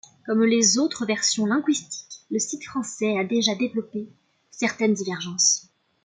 Comme les autres versions linguistiques, le site français a déjà développé certaines divergences.